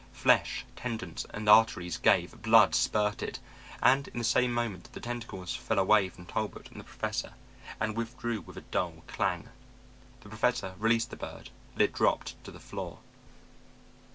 Flesh, tendons and arteries gave, blood spurted, and in the same moment the tentacles fell away from Talbot and the Professor and withdrew with a dull clang. The Professor released the bird and it dropped to the floor.